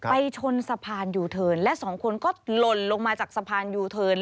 ไปชนสะพานยูเทิร์นและสองคนก็หล่นลงมาจากสะพานยูเทิร์น